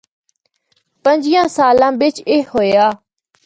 پنچیاں سالاں بچ اے ہویا۔